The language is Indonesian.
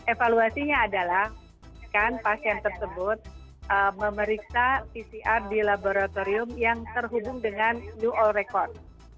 evaluasinya adalah kan pasien tersebut memeriksa pcr di laboratorium yang terhubung dengan new all record